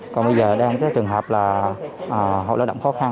còn bây giờ đang có trường hợp là hộ lao động khó khăn